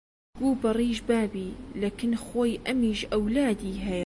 گوو بەڕیش بابی لە کن خۆی ئەمیش ئەولادی هەیە